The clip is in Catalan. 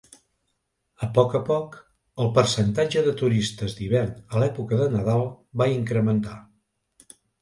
A poc a poc el percentatge de turistes d'hivern a l'època de nadal va incrementar.